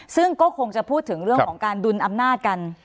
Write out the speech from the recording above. ซึ่งก็คงจะพูดถึงเรื่องของการดุลอำนาจกัน